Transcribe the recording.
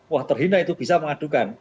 wah terhina itu bisa mengadukan